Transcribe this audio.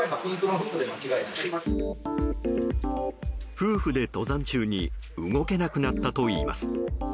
夫婦で登山中に動けなくなったといいます。